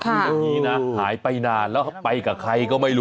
ค่ะอืมคืออย่างนี้นะหายไปนานแล้วไปกับใครก็ไม่รู้